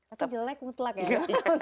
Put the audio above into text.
atau jelek mutlak ya